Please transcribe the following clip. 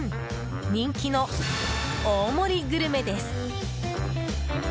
人気の大盛りグルメです。